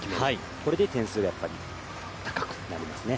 これで点数が高くなりますね。